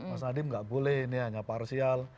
mas nadiem gak boleh ini hanya parsial